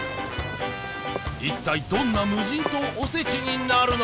一体どんな無人島おせちになるのか？